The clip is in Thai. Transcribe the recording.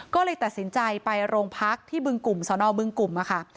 ก็เลยตัดสินใจไปโรงพักที่บึงกลุ่มสนบึงกลุ่มค่ะ